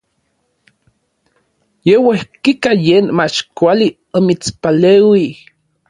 Ya uejkika yen mach kuali omitspaleuij.